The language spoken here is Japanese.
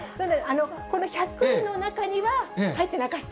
この１００位の中には入ってなかった。